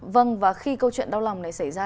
vâng và khi câu chuyện đau lòng này xảy ra